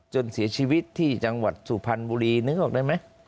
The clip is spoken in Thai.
จนเสียชีวิตที่จังหวัดสุพรรณบุรีนึกออกได้ไหม